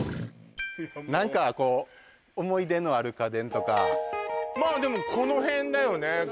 何かこう思い出のある家電とかまあでもこの辺だよね